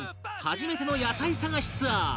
初めての野菜探しツアー